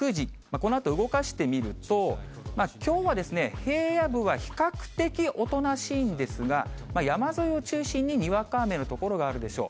このあと動かしてみると、きょうはですね、平野部は比較的、おとなしいんですが、山沿いを中心ににわか雨の所があるでしょう。